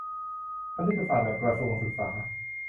คณิตศาสตร์แบบกระทรวงศึกษา